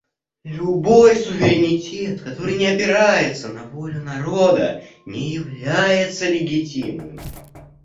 Любой суверенитет, который не опирается на волю народа, не является легитимным.